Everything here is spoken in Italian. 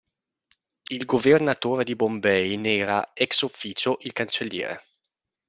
Il governatore di Bombay ne era "ex-officio" il cancelliere.